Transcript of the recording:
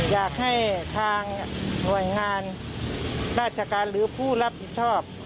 อยากให้ทางหน่วยงานราชการหรือผู้รับผิดชอบ